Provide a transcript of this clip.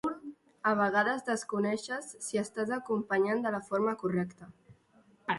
A vegades desconeixes si estàs acompanyant de la forma correcta.